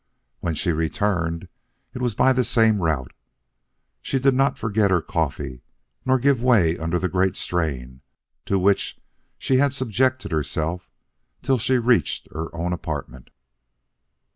When she returned it was by the same route. She did not forget her coffee nor give way under the great strain to which she had subjected herself till she reached her own apartment."